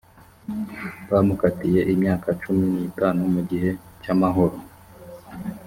bamukatiye imyaka cumi n’itanu mu gihe cy’ amahoro .